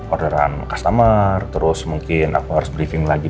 untuk denner terus mungkin aku harus briefing lagi